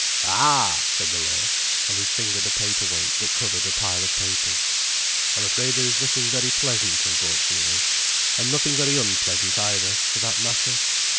"Ah!" said the lawyer, and he fingered a paper weight that covered a pile of papers. "I'm afraid there is nothing very pleasant, unfortunately. And nothing very unpleasant either, for that matter."